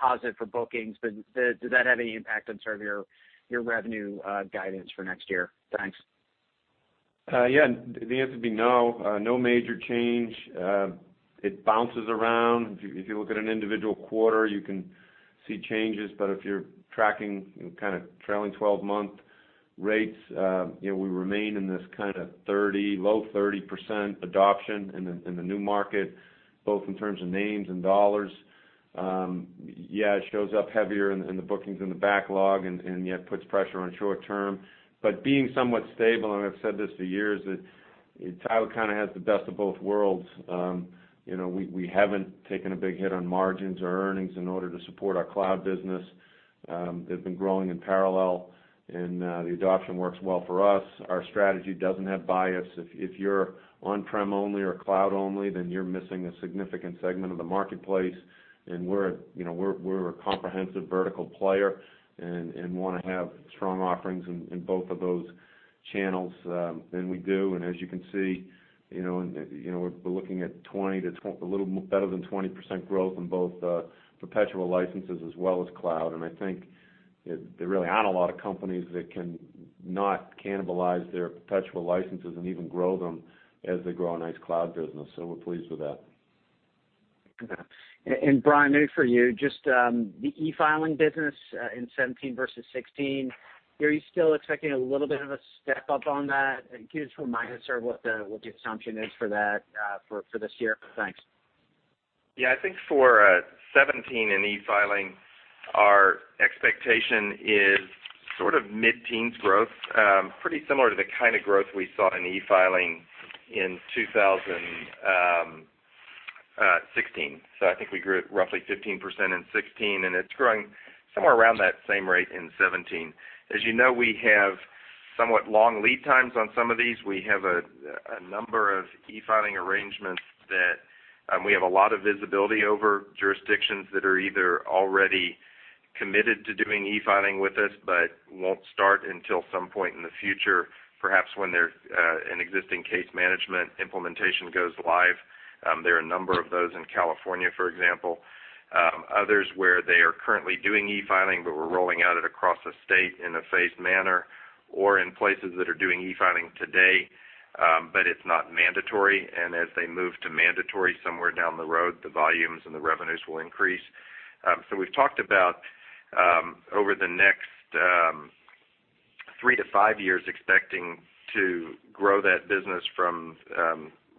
positive for bookings, but does that have any impact on sort of your revenue guidance for next year? Thanks. Yeah, the answer would be no. No major change. It bounces around. If you look at an individual quarter, you can see changes, but if you're tracking kind of trailing 12-month rates, we remain in this kind of 30%, low 30% adoption in the new market, both in terms of names and dollars. Yeah, it shows up heavier in the bookings and the backlog and yeah, it puts pressure on short term. Being somewhat stable, and I've said this for years, that Tyler kind of has the best of both worlds. We haven't taken a big hit on margins or earnings in order to support our cloud business. They've been growing in parallel, and the adoption works well for us. Our strategy doesn't have bias. If you're on-prem only or cloud only, then you're missing a significant segment of the marketplace. We're a comprehensive vertical player and want to have strong offerings in both of those channels, and we do. As you can see, we're looking at a little better than 20% growth in both perpetual licenses as well as cloud. I think there really aren't a lot of companies that can not cannibalize their perpetual licenses and even grow them as they grow a nice cloud business. We're pleased with that. Okay. Brian, maybe for you, just the e-filing business in 2017 versus 2016. Are you still expecting a little bit of a step-up on that? Give us a reminder, sir, what the assumption is for that for this year. Thanks. Yeah, I think for 2017 in e-filing, our expectation is sort of mid-teens growth. Pretty similar to the kind of growth we saw in e-filing in 2016. I think we grew at roughly 15% in 2016, and it's growing somewhere around that same rate in 2017. As you know, we have somewhat long lead times on some of these. We have a number of e-filing arrangements that we have a lot of visibility over jurisdictions that are either already committed to doing e-filing with us but won't start until some point in the future, perhaps when their an existing case management implementation goes live. There are a number of those in California, for example. Others where they are currently doing e-filing, but we're rolling out it across the state in a phased manner, or in places that are doing e-filing today, but it's not mandatory. As they move to mandatory somewhere down the road, the volumes and the revenues will increase. We've talked about, over the next three to five years, expecting to grow that business from.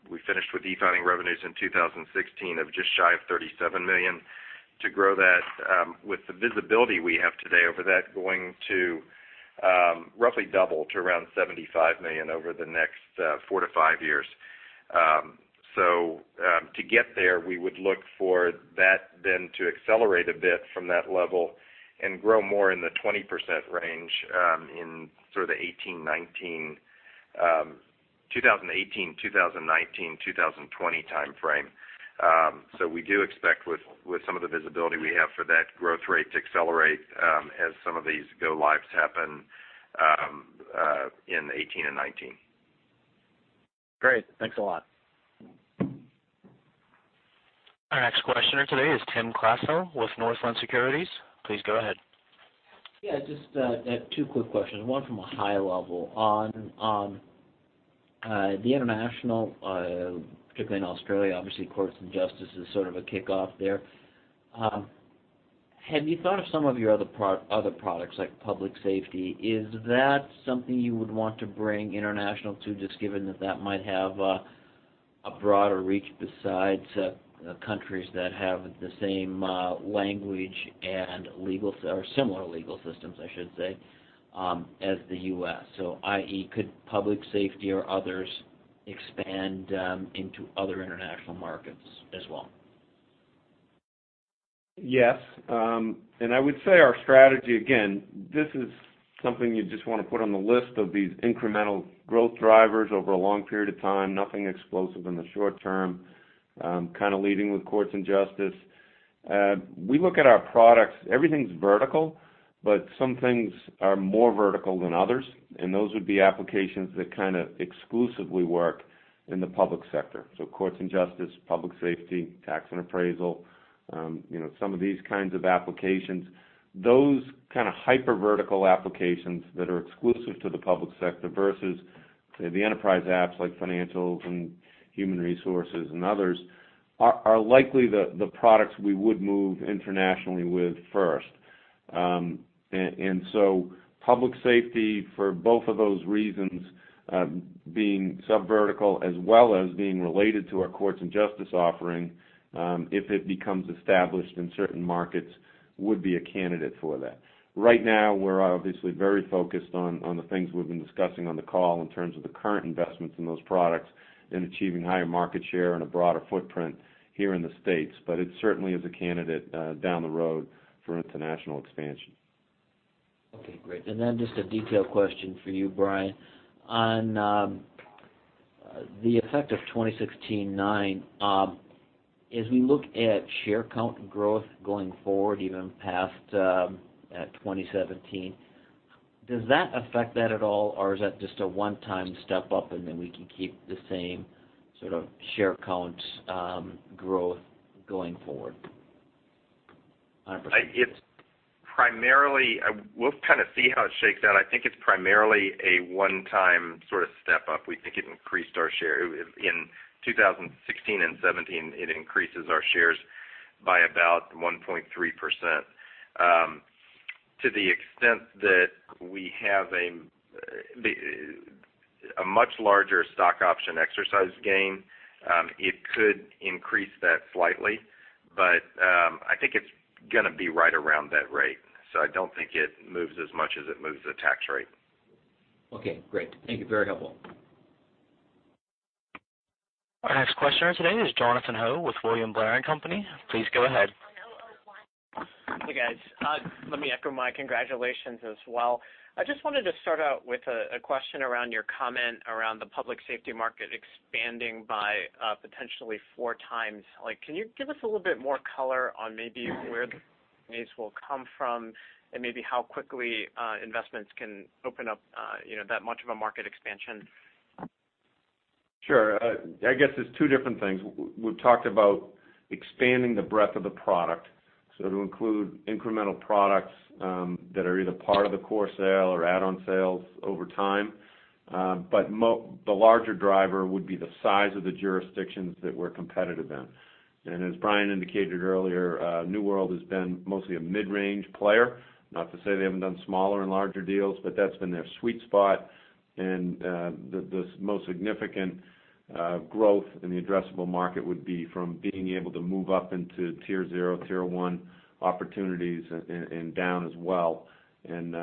We finished with e-filing revenues in 2016 of just shy of $37 million. To grow that, with the visibility we have today, over that going to roughly double to around $75 million over the next four to five years. To get there, we would look for that then to accelerate a bit from that level and grow more in the 20% range in sort of the 2018, 2019, 2020 timeframe. We do expect with some of the visibility we have for that growth rate to accelerate as some of these go lives happen in 2018 and 2019. Great. Thanks a lot. Our next questioner today is Tim Klasell with Northland Securities. Please go ahead. Just two quick questions. One from a high level. On the international, particularly in Australia, obviously Courts and Justice is sort of a kickoff there. Have you thought of some of your other products, like Public Safety? Is that something you would want to bring international to, just given that that might have a broader reach besides countries that have the same language and legal or similar legal systems, I should say, as the U.S.? I.e., could Public Safety or others expand into other international markets as well? Yes. I would say our strategy, again, this is something you just want to put on the list of these incremental growth drivers over a long period of time. Nothing explosive in the short term, kind of leading with Courts and Justice. We look at our products, everything's vertical, some things are more vertical than others, those would be applications that kind of exclusively work in the public sector. Courts and Justice, Public Safety, Tax and Appraisal, some of these kinds of applications. Those kind of hyper-vertical applications that are exclusive to the public sector versus, say, the enterprise apps like Financials and Human Resources and others, are likely the products we would move internationally with first. Public Safety, for both of those reasons, being sub-vertical as well as being related to our Courts and Justice offering, if it becomes established in certain markets, would be a candidate for that. Right now, we're obviously very focused on the things we've been discussing on the call in terms of the current investments in those products and achieving higher market share and a broader footprint here in the U.S. It certainly is a candidate down the road for international expansion. Great. Just a detailed question for you, Brian. On the effect of ASU 2016-09, as we look at share count growth going forward, even past 2017, does that affect that at all, is that just a one-time step up we can keep the same sort of share counts growth going forward? 100%. We'll kind of see how it shakes out. I think it's primarily a one-time sort of step up. We think in 2016 and 2017, it increases our shares by about 1.3%. To the extent that we have a much larger stock option exercise gain, it could increase that slightly, I think it's going to be right around that rate. I don't think it moves as much as it moves the tax rate. Okay, great. Thank you. Very helpful. Our next questioner today is Jonathan Ho with William Blair & Company. Please go ahead. Hey, guys. Let me echo my congratulations as well. I just wanted to start out with a question around your comment around the Public Safety market expanding by potentially four times. Can you give us a little bit more color on maybe where the will come from and maybe how quickly investments can open up that much of a market expansion? Sure. I guess there's two different things. We've talked about expanding the breadth of the product, so to include incremental products that are either part of the core sale or add-on sales over time. The larger driver would be the size of the jurisdictions that we're competitive in. As Brian indicated earlier, New World has been mostly a mid-range player. Not to say they haven't done smaller and larger deals, but that's been their sweet spot. The most significant growth in the addressable market would be from being able to move up into tier 0, tier 1 opportunities, and down as well, and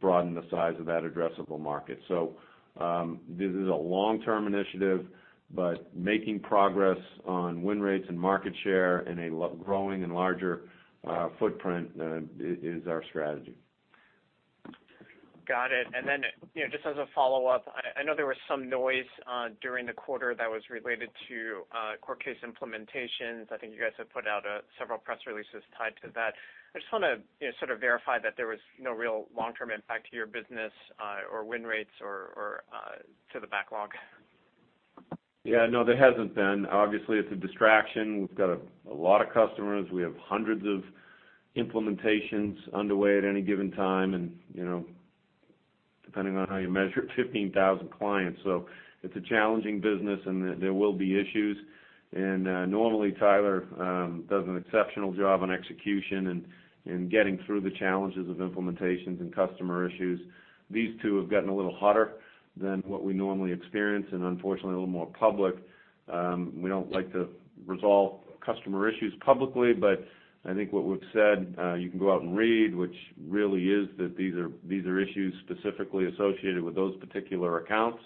broaden the size of that addressable market. This is a long-term initiative, but making progress on win rates and market share and a growing and larger footprint is our strategy. Got it. Just as a follow-up, I know there was some noise during the quarter that was related to court case implementations. I think you guys have put out several press releases tied to that. I just want to sort of verify that there was no real long-term impact to your business or win rates or to the backlog. Yeah, no, there hasn't been. Obviously, it's a distraction. We've got a lot of customers. We have hundreds of implementations underway at any given time and, depending on how you measure it, 15,000 clients. It's a challenging business, and there will be issues. Normally, Tyler does an exceptional job on execution and in getting through the challenges of implementations and customer issues. These two have gotten a little hotter than what we normally experience and unfortunately, a little more public. We don't like to resolve customer issues publicly, I think what we've said, you can go out and read, which really is that these are issues specifically associated with those particular accounts.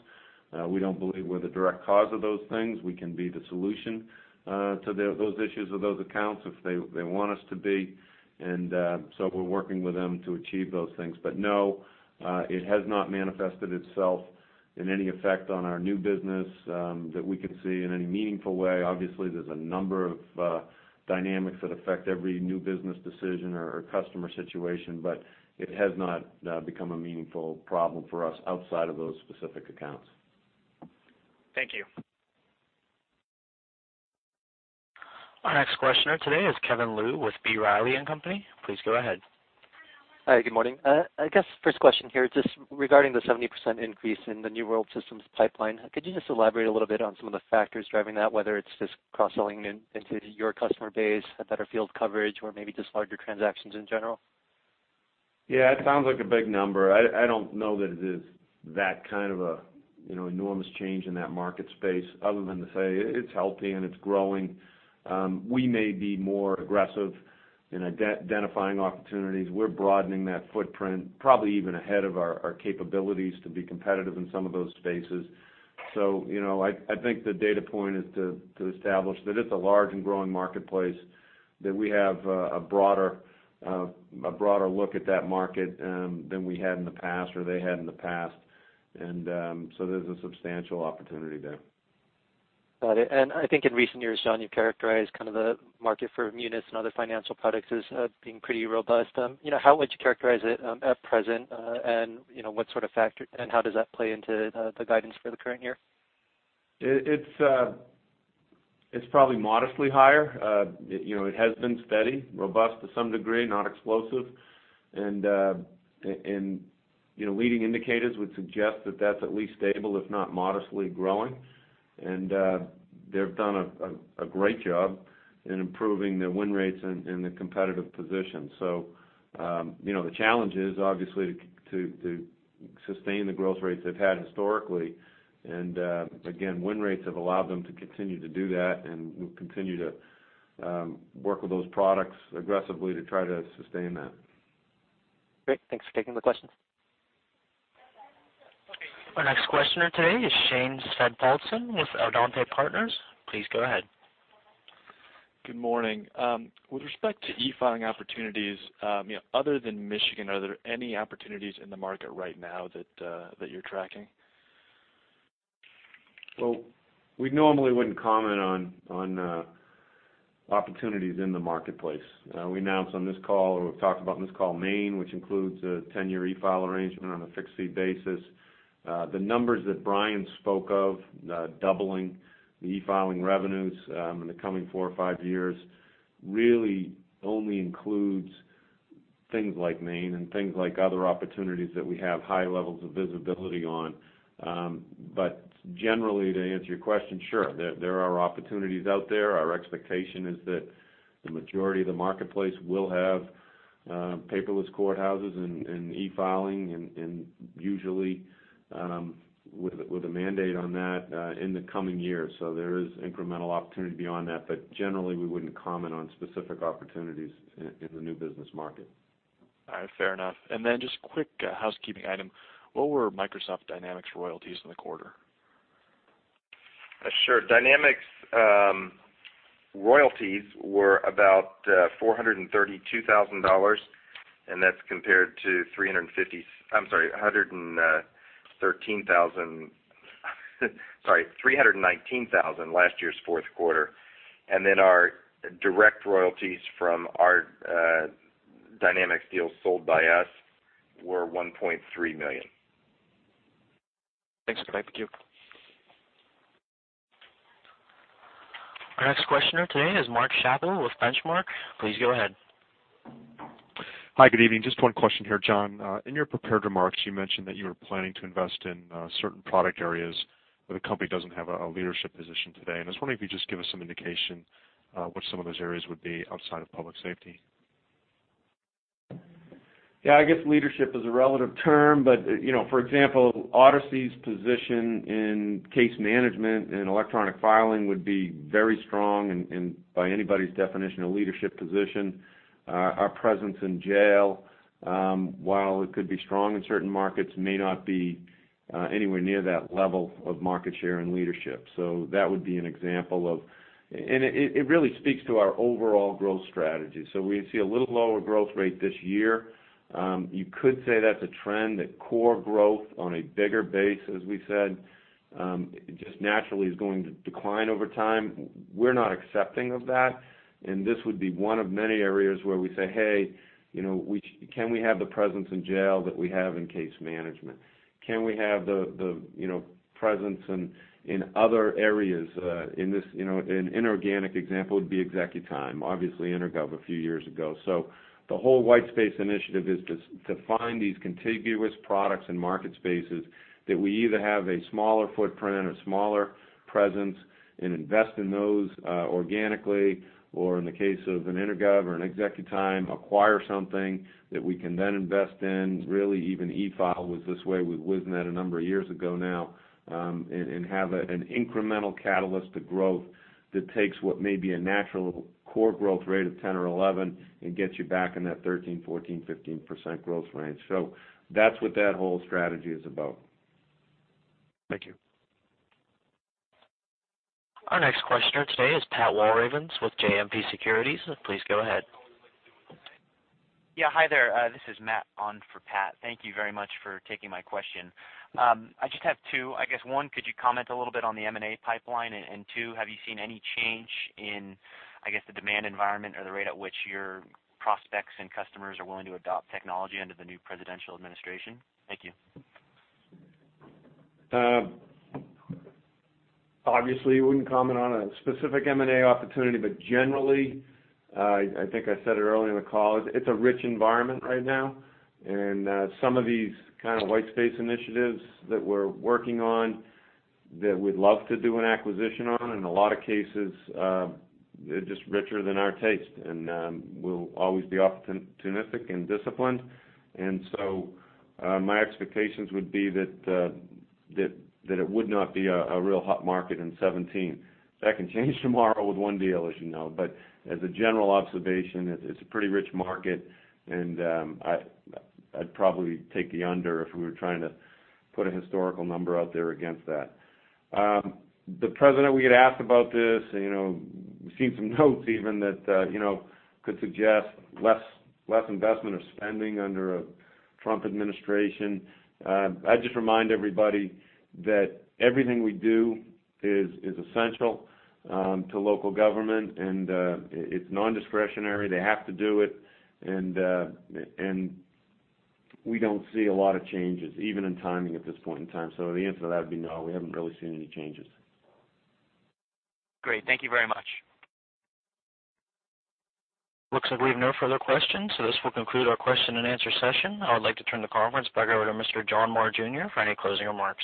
We don't believe we're the direct cause of those things. We can be the solution to those issues with those accounts if they want us to be. We're working with them to achieve those things. No, it has not manifested itself in any effect on our new business that we can see in any meaningful way. Obviously, there's a number of dynamics that affect every new business decision or customer situation, it has not become a meaningful problem for us outside of those specific accounts. Thank you. Our next questioner today is Kevin Liu with B. Riley & Company. Please go ahead. Hi, good morning. I guess first question here, just regarding the 70% increase in the New World Systems pipeline, could you just elaborate a little bit on some of the factors driving that, whether it's just cross-selling into your customer base, a better field coverage, or maybe just larger transactions in general? Yeah, it sounds like a big number. I don't know that it is that kind of enormous change in that market space other than to say it's healthy and it's growing. We may be more aggressive in identifying opportunities. We're broadening that footprint, probably even ahead of our capabilities to be competitive in some of those spaces. I think the data point is to establish that it's a large and growing marketplace, that we have a broader look at that market than we had in the past, or they had in the past. So there's a substantial opportunity there. Got it. I think in recent years, John, you've characterized the market for Munis and other financial products as being pretty robust. How would you characterize it at present? What sort of factor, how does that play into the guidance for the current year? It's probably modestly higher. It has been steady, robust to some degree, not explosive. Leading indicators would suggest that that's at least stable, if not modestly growing. They've done a great job in improving their win rates and the competitive position. The challenge is, obviously, to sustain the growth rates they've had historically. Again, win rates have allowed them to continue to do that, and we'll continue to work with those products aggressively to try to sustain that. Great. Thanks for taking the question. Our next questioner today is Shane Stoddard with Adante Partners. Please go ahead. Good morning. With respect to e-filing opportunities, other than Michigan, are there any opportunities in the market right now that you're tracking? We normally wouldn't comment on opportunities in the marketplace. We announced on this call, or we've talked about on this call, Maine, which includes a 10-year e-file arrangement on a fixed-fee basis. The numbers that Brian spoke of, doubling the e-filing revenues in the coming four or five years, really only includes things like Maine and things like other opportunities that we have high levels of visibility on. Generally, to answer your question, sure, there are opportunities out there. Our expectation is that the majority of the marketplace will have paperless courthouses and e-filing, and usually, with a mandate on that in the coming year. There is incremental opportunity beyond that, but generally, we wouldn't comment on specific opportunities in the new business market. All right. Fair enough. Just a quick housekeeping item. What were Microsoft Dynamics royalties in the quarter? Sure. Dynamics royalties were about $432,000, and that's compared to $319,000 last year's fourth quarter. Our direct royalties from our Dynamics deals sold by us were $1.3 million. Thanks. Thank you. Our next questioner today is Mark Schappel with Benchmark. Please go ahead. Hi, good evening. Just one question here, John. In your prepared remarks, you mentioned that you were planning to invest in certain product areas where the company doesn't have a leadership position today. I was wondering if you'd just give us some indication what some of those areas would be outside of public safety. Yeah, I guess leadership is a relative term. For example, Odyssey's position in case management and electronic filing would be very strong and by anybody's definition, a leadership position. Our presence in jail, while it could be strong in certain markets, may not be anywhere near that level of market share and leadership. That would be an example of. It really speaks to our overall growth strategy. We see a little lower growth rate this year. You could say that's a trend, that core growth on a bigger base, as we said, just naturally is going to decline over time. We're not accepting of that, and this would be one of many areas where we say, "Hey, can we have the presence in jail that we have in case management? Can we have the presence in other areas?" An inorganic example would be ExecuTime, obviously EnerGov a few years ago. The whole whitespace initiative is to find these contiguous products and market spaces that we either have a smaller footprint or a smaller presence. Invest in those organically, or in the case of an EnerGov or an ExecuTime, acquire something that we can then invest in. Really even E-file was this way with Wiznet a number of years ago now, and have an incremental catalyst to growth that takes what may be a natural core growth rate of 10 or 11 and gets you back in that 13%, 14%, 15% growth range. That's what that whole strategy is about. Thank you. Our next question today is Pat Walravens with JMP Securities. Please go ahead. Yeah. Hi there. This is Matt on for Pat. Thank you very much for taking my question. I just have two. I guess one, could you comment a little bit on the M&A pipeline? Two, have you seen any change in, I guess, the demand environment or the rate at which your prospects and customers are willing to adopt technology under the new presidential administration? Thank you. Obviously wouldn't comment on a specific M&A opportunity, but generally, I think I said it earlier in the call, it's a rich environment right now. Some of these kind of white space initiatives that we're working on that we'd love to do an acquisition on, in a lot of cases, they're just richer than our taste. We'll always be opportunistic and disciplined. My expectations would be that it would not be a real hot market in 2017. That can change tomorrow with one deal, as you know. As a general observation, it's a pretty rich market, and I'd probably take the under if we were trying to put a historical number out there against that. The president, we get asked about this, we've seen some notes even that could suggest less investment or spending under a Trump administration. I'd just remind everybody that everything we do is essential to local government, it's nondiscretionary. They have to do it. We don't see a lot of changes, even in timing at this point in time. The answer to that would be no, we haven't really seen any changes. Great. Thank you very much. Looks like we have no further questions, this will conclude our question and answer session. I would like to turn the conference back over to Mr. John Marr Jr. for any closing remarks.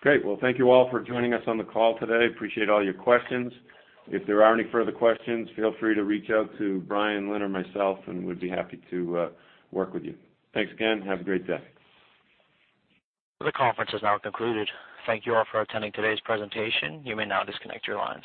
Great. Well, thank you all for joining us on the call today. Appreciate all your questions. If there are any further questions, feel free to reach out to Brian, Lynn, or myself, we'd be happy to work with you. Thanks again. Have a great day. The conference is now concluded. Thank you all for attending today's presentation. You may now disconnect your lines.